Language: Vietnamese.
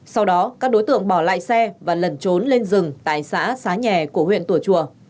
sau đó các đối tượng bỏ lại xe và lẩn trốn lên rừng tại xã xá nhà của huyện tùa chùa